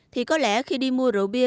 thì có lẽ khi đi mua rượu bia